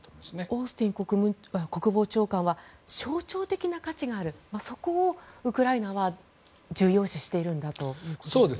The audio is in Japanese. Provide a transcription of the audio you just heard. オースティン国防長官は象徴的な価値があるそこをウクライナは重要視しているんだということですかね。